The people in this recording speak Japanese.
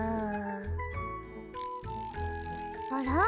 あら？